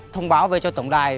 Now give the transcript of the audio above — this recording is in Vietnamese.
thông báo về cho tổng đài